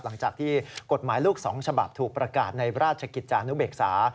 หลังจากที่กฎหมายลูก๒ฉบับถูกประกาศในราชกิจจานุเบกษา